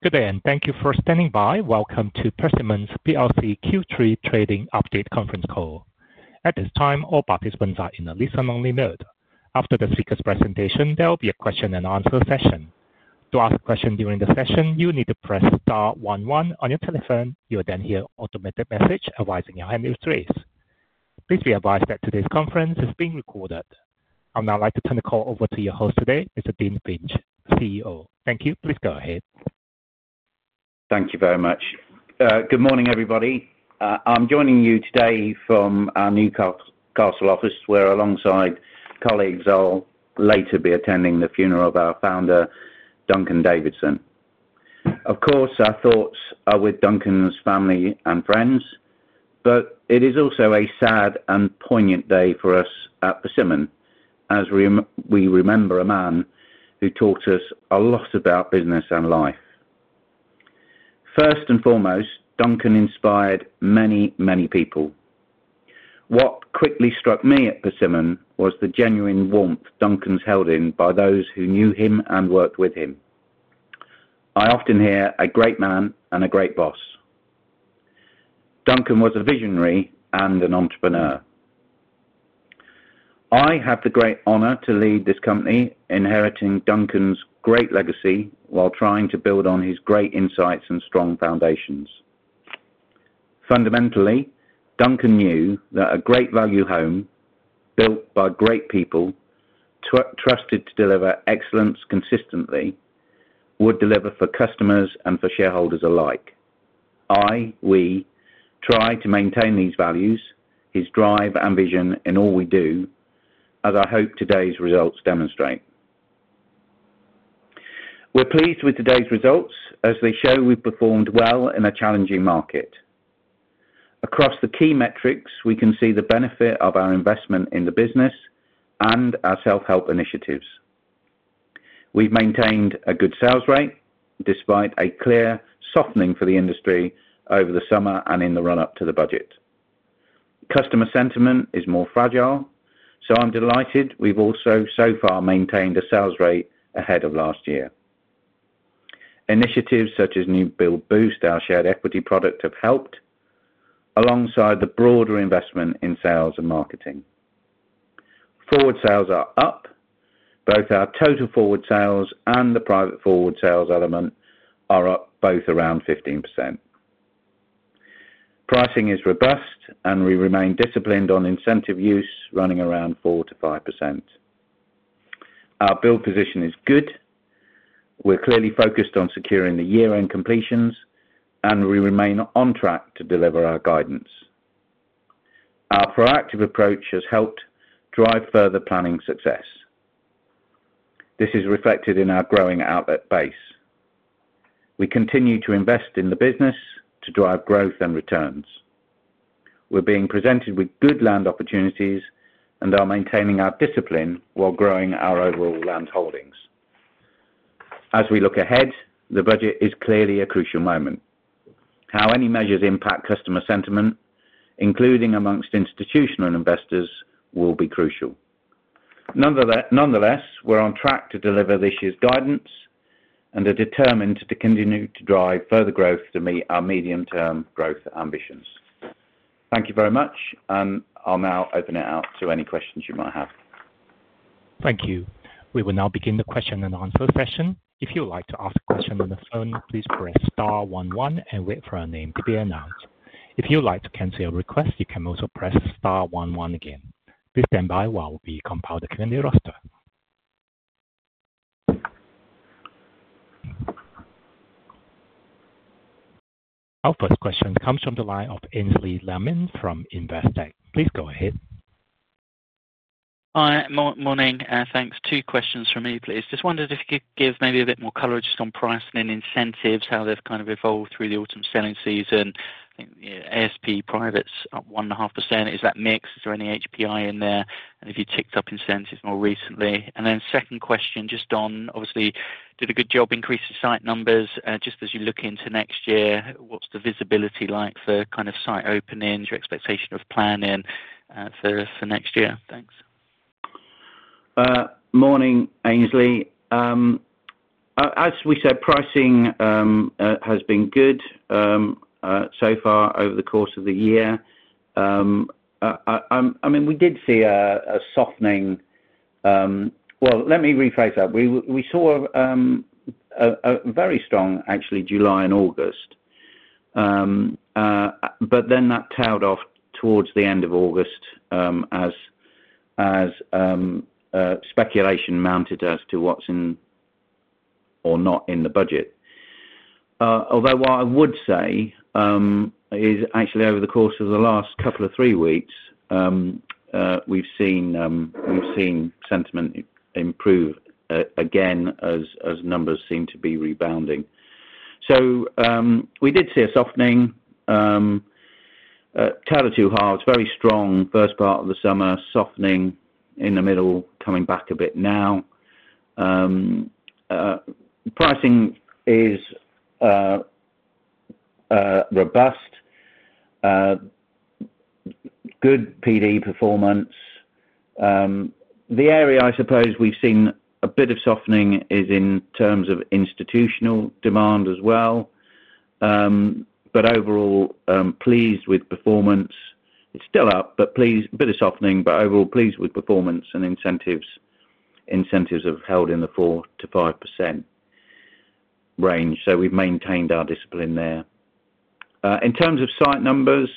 Good day, and thank you for standing by. Welcome to Persimmon Q3 Trading Update Conference Call. At this time, all participants are in a listen-only mode. After the speaker's presentation, there will be a question-and-answer session. To ask a question during the session, you'll need to press *11 on your telephone. You'll then hear an automated message advising your handle phrase. Please be advised that today's conference is being recorded. I'd now like to turn the call over to your host today. It's Dean Finch, CEO. Thank you. Please go ahead. Thank you very much. Good morning, everybody. I'm joining you today from our Newcastle office, where, alongside colleagues, I'll later be attending the funeral of our founder, Duncan Davidson. Of course, our thoughts are with Duncan's family and friends, but it is also a sad and poignant day for us at Persimmon, as we remember a man who taught us a lot about business and life. First and foremost, Duncan inspired many, many people. What quickly struck me at Persimmon was the genuine warmth Duncan's held in by those who knew him and worked with him. I often hear, "A great man and a great boss." Duncan was a visionary and an entrepreneur. I have the great honor to lead this company, inheriting Duncan's great legacy while trying to build on his great insights and strong foundations. Fundamentally, Duncan knew that a great value home, built by great people, trusted to deliver excellence consistently, would deliver for customers and for shareholders alike. I, we, try to maintain these values, his drive and vision in all we do, as I hope today's results demonstrate. We're pleased with today's results, as they show we've performed well in a challenging market. Across the key metrics, we can see the benefit of our investment in the business and our self-help initiatives. We've maintained a good sales rate, despite a clear softening for the industry over the summer and in the run-up to the budget. Customer sentiment is more fragile, so I'm delighted we've also so far maintained a sales rate ahead of last year. Initiatives such as New Build Boost, our shared equity product, have helped, alongside the broader investment in sales and marketing. Forward sales are up. Both our total forward sales and the private forward sales element are up, both around 15%. Pricing is robust, and we remain disciplined on incentive use, running around 4%-5%. Our build position is good. We're clearly focused on securing the year-end completions, and we remain on track to deliver our guidance. Our proactive approach has helped drive further planning success. This is reflected in our growing outlet base. We continue to invest in the business to drive growth and returns. We're being presented with good land opportunities, and are maintaining our discipline while growing our overall land holdings. As we look ahead, the budget is clearly a crucial moment. How any measures impact customer sentiment, including amongst institutional investors, will be crucial. Nonetheless, we're on track to deliver this year's guidance and are determined to continue to drive further growth to meet our medium-term growth ambitions. Thank you very much, and I'll now open it up to any questions you might have. Thank you. We will now begin the question-and-answer session. If you'd like to ask a question on the phone, please press *11 and wait for a name to be announced. If you'd like to cancel your request, you can also press *11 again. Please stand by while we compile the Q&A roster. Our first question comes from the line of Aynsley Lammin from Investec. Please go ahead. Hi. Morning. Thanks. Two questions from me, please. Just wondered if you could give maybe a bit more coverage on pricing and incentives, how they've kind of evolved through the autumn selling season. ASP privates up 1.5%. Is that mixed? Is there any HPI in there? Have you ticked up incentives more recently? Second question, just on, obviously, did a good job increasing site numbers. Just as you look into next year, what's the visibility like for kind of site openings, your expectation of planning for next year? Thanks. Morning, Aynsley. As we said, pricing has been good so far over the course of the year. I mean, we did see a softening—let me rephrase that. We saw a very strong, actually, July and August, but then that tailed off towards the end of August as speculation mounted as to what's in or not in the budget. Although what I would say is, actually, over the course of the last couple of three weeks, we've seen sentiment improve again as numbers seem to be rebounding. So we did see a softening. Tailor too hard. It's very strong first part of the summer, softening in the middle, coming back a bit now. Pricing is robust. Good PD performance. The area I suppose we've seen a bit of softening is in terms of institutional demand as well, but overall, pleased with performance. It's still up, but a bit of softening, but overall, pleased with performance and incentives have held in the 4-5% range. We've maintained our discipline there. In terms of site numbers,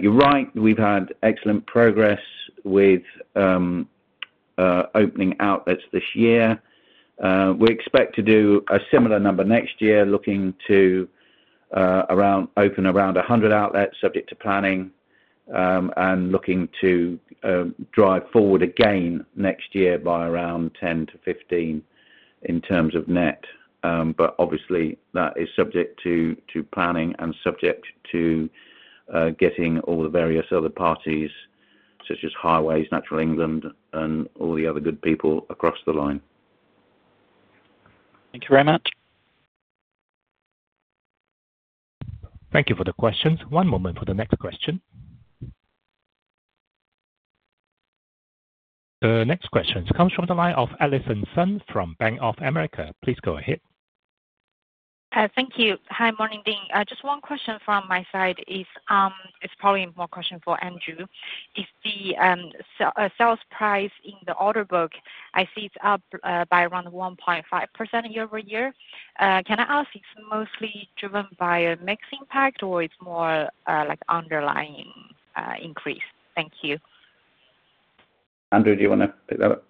you're right. We've had excellent progress with opening outlets this year. We expect to do a similar number next year, looking to open around 100 outlets, subject to planning, and looking to drive forward again next year by around 10-15 in terms of net. Obviously, that is subject to planning and subject to getting all the various other parties, such as Highways, Natural England, and all the other good people across the line. Thank you very much. Thank you for the questions. One moment for the next question. The next question comes from the line of Allison Sun from Bank of America. Please go ahead. Thank you. Hi, morning, Dean. Just one question from my side is, it's probably more a question for Andrew, is the sales price in the order book, I see it's up by around 1.5% year-over-year. Can I ask if it's mostly driven by a mixed impact or it's more like an underlying increase? Thank you. Andrew, do you want to pick that up?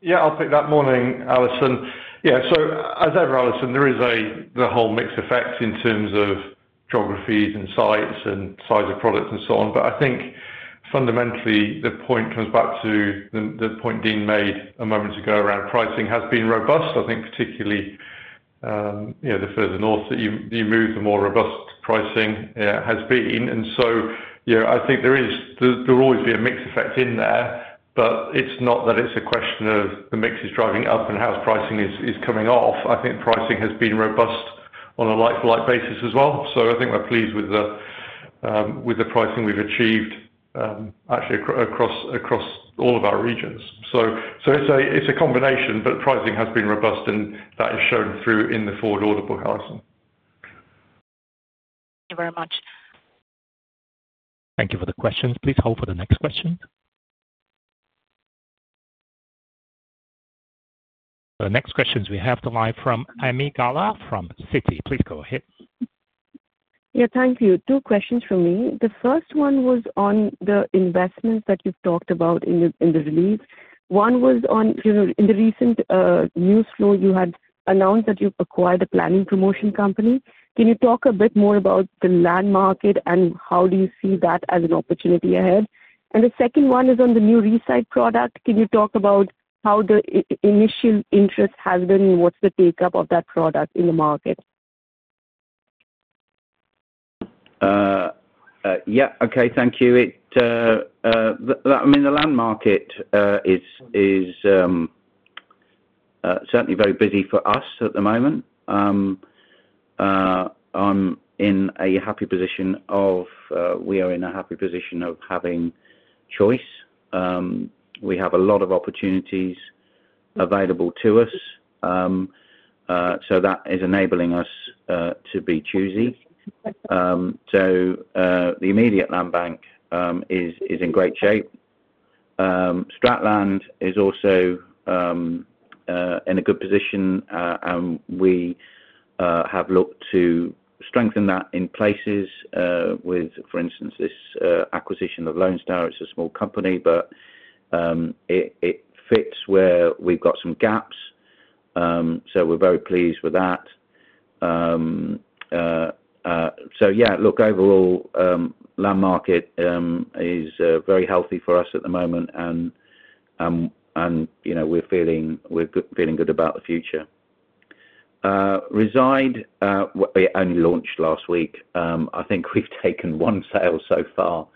Yeah, I'll pick that, morning, Allison. Yeah, as ever, Alison, there is the whole mixed effect in terms of geographies and sites and size of products and so on. I think fundamentally, the point comes back to the point Dean made a moment ago around pricing has been robust. I think particularly the further north that you move, the more robust pricing has been. I think there will always be a mixed effect in there, but it's not that it's a question of the mix is driving up and how pricing is coming off. I think pricing has been robust on a like-for-like basis as well. I think we're pleased with the pricing we've achieved, actually, across all of our regions. It's a combination, but pricing has been robust, and that is shown through in the forward order book. Thank you very much. Thank you for the questions. Please hold for the next question. The next questions we have live from Ami Galla from Citi. Please go ahead. Yeah, thank you. Two questions for me. The first one was on the investments that you've talked about in the release. One was on, in the recent news flow, you had announced that you've acquired a planning promotion company. Can you talk a bit more about the land market and how do you see that as an opportunity ahead? The second one is on the new Rezide product. Can you talk about how the initial interest has been and what's the take-up of that product in the market? Yeah. Okay. Thank you. I mean, the land market is certainly very busy for us at the moment. I'm in a happy position of—we are in a happy position of having choice. We have a lot of opportunities available to us, so that is enabling us to be choosy. The immediate land bank is in great shape. Strat land is also in a good position, and we have looked to strengthen that in places with, for instance, this acquisition of Lone Star. It is a small company, but it fits where we have got some gaps, so we are very pleased with that. Yeah, look, overall, the land market is very healthy for us at the moment, and we are feeling good about the future. Rezide only launched last week. I think we have taken one sale so far.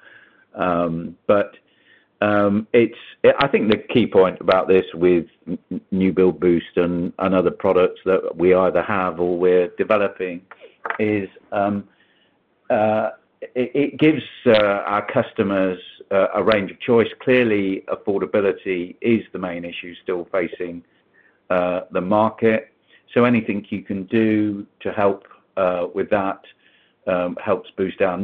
I think the key point about this with New Build Boost and other products that we either have or we're developing is it gives our customers a range of choice. Clearly, affordability is the main issue still facing the market. Anything you can do to help with that helps boost our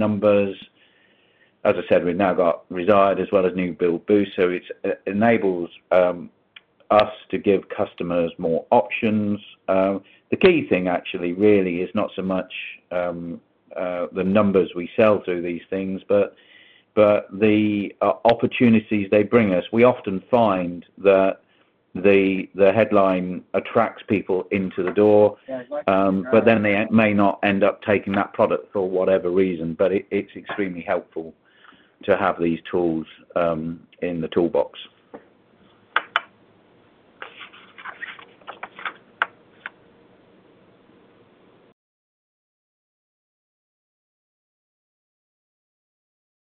numbers. As I said, we've now got Rezide as well as New Build Boost, so it enables us to give customers more options. The key thing, actually, really is not so much the numbers we sell through these things, but the opportunities they bring us. We often find that the headline attracts people into the door, but then they may not end up taking that product for whatever reason. It is extremely helpful to have these tools in the toolbox.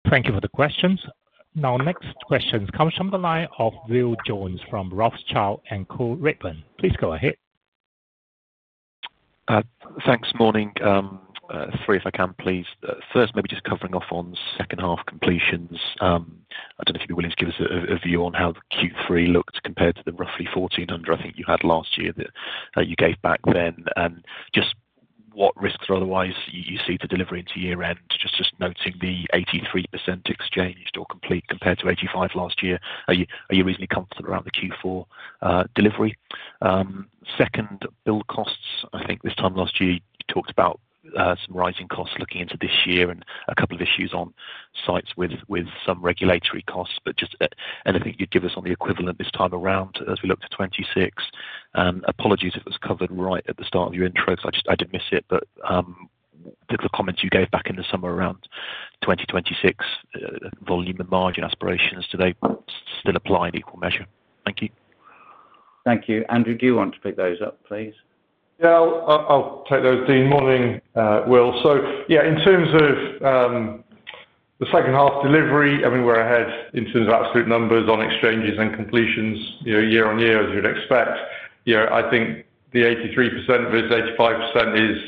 Thank you for the questions. Now, next questions come from the line of Will Jones from Rothschild & Co Redburn. Please go ahead. Thanks. Morning. Three, if I can, please. First, maybe just covering off on second half completions. I do not know if you would be willing to give us a view on how Q3 looked compared to the roughly 1,400 I think you had last year that you gave back then, and just what risks or otherwise you see to delivering to year-end, just noting the 83% exchanged or complete compared to 85% last year. Are you reasonably comfortable around the Q4 delivery? Second, build costs. I think this time last year, you talked about some rising costs looking into this year and a couple of issues on sites with some regulatory costs. I think you would give us on the equivalent this time around as we look to 2026. Apologies if it was covered right at the start of your intro because I did miss it, but the comments you gave back in the summer around 2026, volume and margin aspirations, do they still apply in equal measure? Thank you. Thank you. Andrew, do you want to pick those up, please? Yeah, I'll take those. Dean, morning, Will. In terms of the second half delivery, I mean, we're ahead in terms of absolute numbers on exchanges and completions year on year, as you'd expect. I think the 83% versus 85% is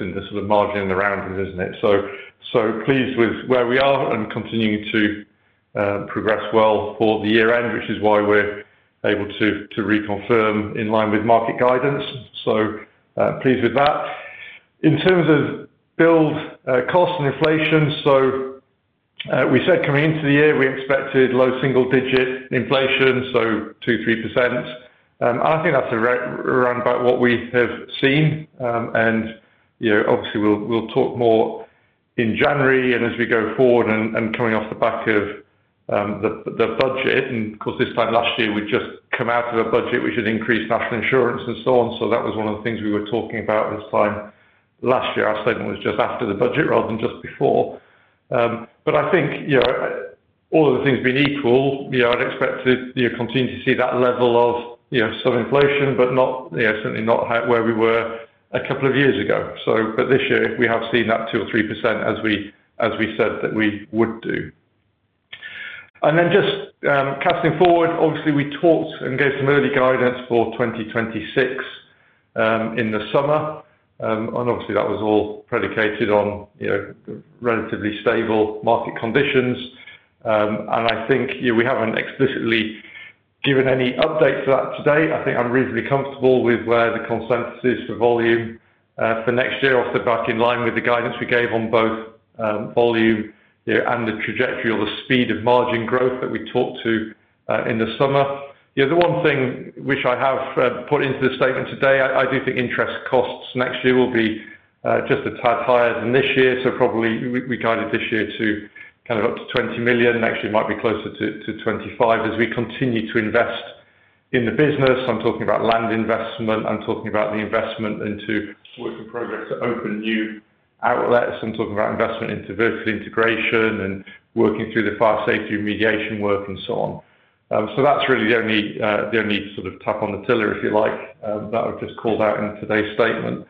in the sort of margin and the round, isn't it? Pleased with where we are and continuing to progress well for the year-end, which is why we're able to reconfirm in line with market guidance. Pleased with that. In terms of build cost and inflation, we said coming into the year, we expected low single-digit inflation, so 2%-3%. I think that's around about what we have seen. Obviously, we'll talk more in January and as we go forward and coming off the back of the budget. Of course, this time last year, we'd just come out of a budget which had increased national insurance and so on. That was one of the things we were talking about this time last year. Our statement was just after the budget rather than just before. I think all of the things being equal, I'd expect to continue to see that level of some inflation, but certainly not where we were a couple of years ago. This year, we have seen that 2%-3%, as we said, that we would do. Just casting forward, obviously, we talked and gave some early guidance for 2026 in the summer. Obviously, that was all predicated on relatively stable market conditions. I think we haven't explicitly given any updates to that today. I think I'm reasonably comfortable with where the consensus is for volume for next year. I'll sit back in line with the guidance we gave on both volume and the trajectory or the speed of margin growth that we talked to in the summer. The one thing which I have put into the statement today, I do think interest costs next year will be just a tad higher than this year. Probably we guided this year to kind of up to $20 million. Next year might be closer to $25 million as we continue to invest in the business. I'm talking about land investment. I'm talking about the investment into work in progress to open new outlets. I'm talking about investment into vertical integration and working through the fire safety remediation work and so on. That's really the only sort of tap on the tiller, if you like, that I've just called out in today's statement.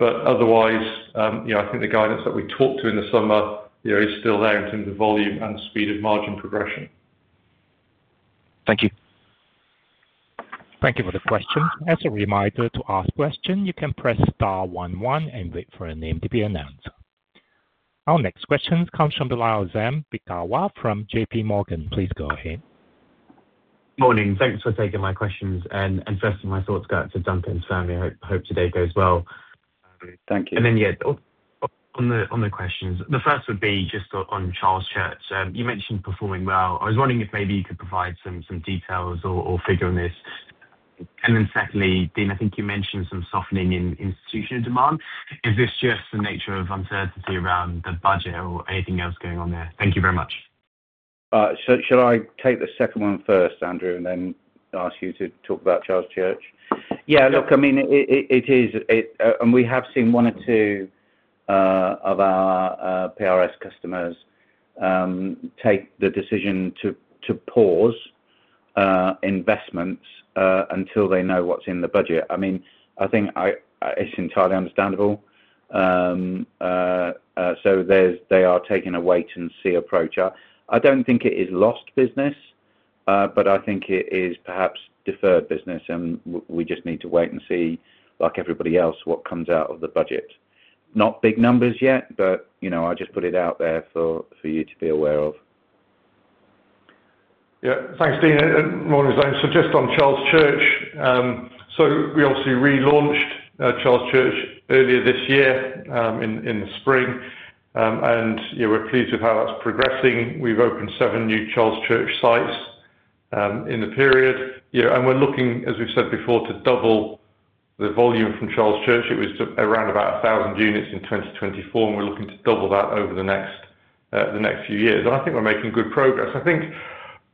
Otherwise, I think the guidance that we talked to in the summer is still there in terms of volume and speed of margin progression. Thank you. Thank you for the question. As a reminder to ask questions, you can press star 11 and wait for a name to be announced. Our next questions come from the line of [Zem Piktawa] from J.P. Morgan. Please go ahead. Morning. Thanks for taking my questions. First of all, my thoughts go out to Duncan's family. I hope today goes well. Thank you. Yeah, on the questions, the first would be just on Charles Church. You mentioned performing well. I was wondering if maybe you could provide some details or figure on this. Secondly, Dean, I think you mentioned some softening in institutional demand. Is this just the nature of uncertainty around the budget or anything else going on there? Thank you very much. Shall I take the second one first, Andrew, and then ask you to talk about Charles Church? Yeah, look, I mean, it is. We have seen one or two of our PRS customers take the decision to pause investments until they know what is in the budget. I mean, I think it is entirely understandable. They are taking a wait-and-see approach. I do not think it is lost business, but I think it is perhaps deferred business, and we just need to wait and see, like everybody else, what comes out of the budget. Not big numbers yet, but I just put it out there for you to be aware of. Yeah. Thanks, Dean. Morning, Zane. Just on Charles Church. We obviously relaunched Charles Church earlier this year in the spring, and we're pleased with how that's progressing. We've opened seven new Charles Church sites in the period. We're looking, as we've said before, to double the volume from Charles Church. It was around about 1,000 units in 2024, and we're looking to double that over the next few years. I think we're making good progress. I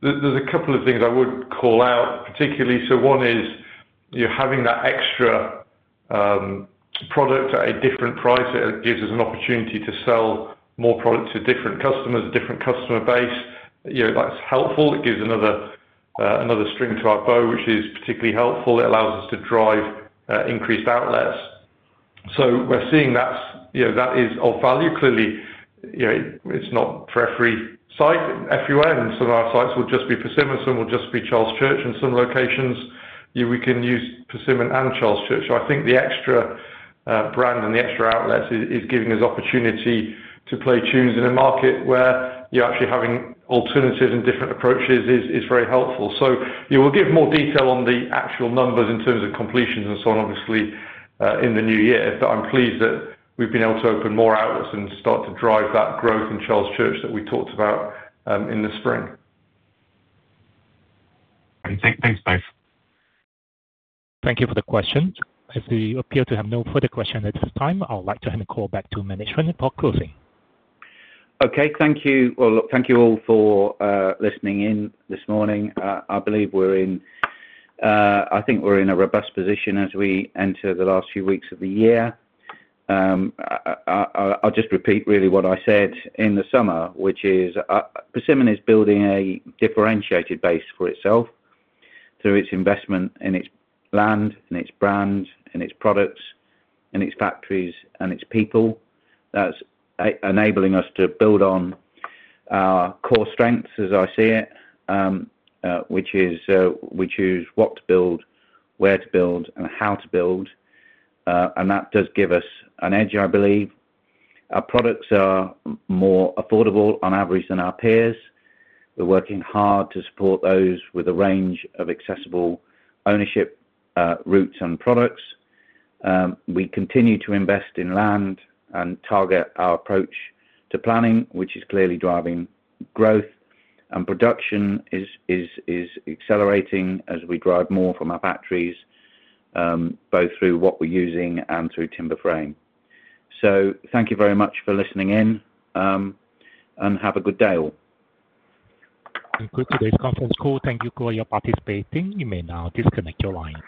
think there's a couple of things I would call out, particularly. One is having that extra product at a different price. It gives us an opportunity to sell more product to different customers, a different customer base. That's helpful. It gives another string to our bow, which is particularly helpful. It allows us to drive increased outlets. We're seeing that is of value. Clearly, it's not for every site everywhere, and some of our sites will just be Persimmon, some will just be Charles Church, and some locations we can use Persimmon and Charles Church. I think the extra brand and the extra outlets is giving us opportunity to play tunes in a market where actually having alternatives and different approaches is very helpful. We will give more detail on the actual numbers in terms of completions and so on, obviously, in the new year, but I'm pleased that we've been able to open more outlets and start to drive that growth in Charles Church that we talked about in the spring. Thanks, guys. Thank you for the questions. If you appear to have no further questions at this time, I'd like to hand the call back to management for closing. Okay. Thank you. Thank you all for listening in this morning. I believe we're in, I think we're in a robust position as we enter the last few weeks of the year. I'll just repeat really what I said in the summer, which is Persimmon is building a differentiated base for itself through its investment in its land, in its brand, in its products, in its factories, and its people. That's enabling us to build on our core strengths, as I see it, which is what to build, where to build, and how to build. That does give us an edge, I believe. Our products are more affordable on average than our peers. We're working hard to support those with a range of accessible ownership routes and products. We continue to invest in land and target our approach to planning, which is clearly driving growth, and production is accelerating as we drive more from our factories, both through what we're using and through timber frame. Thank you very much for listening in, and have a good day all. Thank you for today's conference call. Thank you for your participating. You may now disconnect your line.